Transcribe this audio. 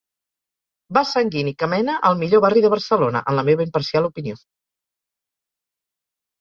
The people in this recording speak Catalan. Vas sanguini que mena al millor barri de Barcelona, en la meva imparcial opinió.